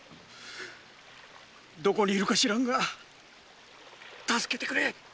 どこに居るか知らぬが助けてくれ！